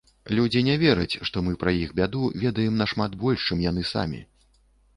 Людзі не вераць, што мы пра іх бяду ведаем нашмат больш, чым яны самі.